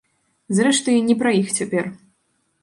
Зрэшты, не пра іх цяпер.